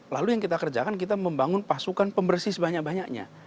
lalu yang kita kerjakan kita membangun pasukan pembersih sebanyak banyaknya